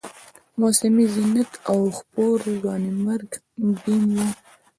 موسمي زینت و خپور، ځوانیمرګ بیم و